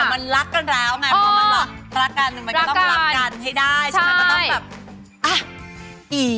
มันรักกันแล้วไงมันก็ต้องรักกันให้ได้ใช่ไหมมันต้องแบบ